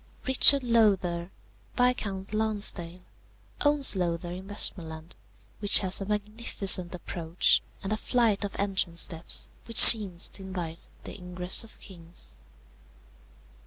"Richard Lowther, Viscount Lonsdale, owns Lowther in Westmorland, which has a magnificent approach, and a flight of entrance steps which seem to invite the ingress of kings.